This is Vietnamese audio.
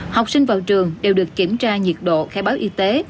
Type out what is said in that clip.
học sinh vào trường đều được kiểm tra nhiệt độ khai báo y tế